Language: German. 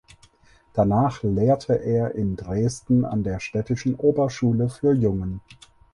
Danach lehrte er in Dresden an der städtischen Oberschule für Jungen.